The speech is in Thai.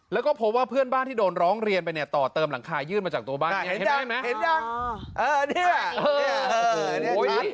แล้วก็พบว่าเพื่อนบ้านที่โดนร้องเรียนไปเนี่ยต่อเติมหลังคายื่นมาจากตัวบ้าน